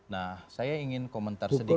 nah saya ingin komentar sedikit